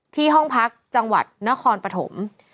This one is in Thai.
ที่ห้องพักจังหวัดนครปะถม